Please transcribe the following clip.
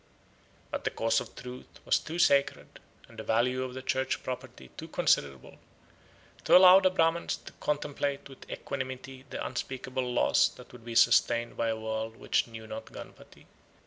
But the cause of truth was too sacred, and the value of the church property too considerable, to allow the Brahmans to contemplate with equanimity the unspeakable loss that would be sustained by a world which knew not Gunputty.